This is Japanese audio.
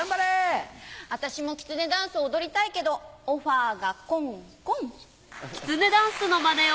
私もきつねダンス踊りたいけどオファーがコンコン。